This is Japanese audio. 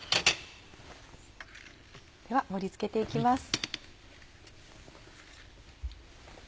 では盛り付けて行きます。